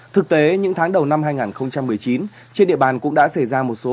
thực tế những tháng đầu năm hai nghìn một mươi chín trên địa bàn cũng đã xảy ra một số